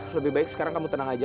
lebih baik sekarang kamu tenang aja